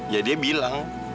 ya dia bilang